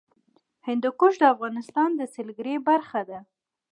هندوکش د افغانستان د سیلګرۍ برخه ده.